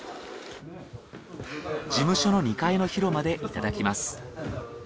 事務所の２階の広間でいただきます。